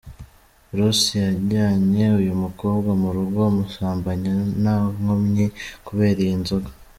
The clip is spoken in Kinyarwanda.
Ross yajyanye uyu mukobwa mu rugo amusambanya ntankomyi kubera iyi nzoga.